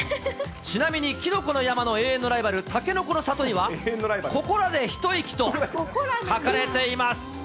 ちなみに、きのこの山の永遠のライバル、たけのこの里には、ここらでひといきと書かれています。